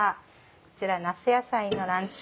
こちら那須野菜のランチ